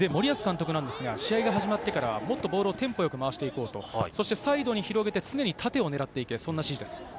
森保監督は試合が始まってからもっとボールをテンポよく回していこうと、サイドに広げで常に点を狙っていけ、そんな指示です。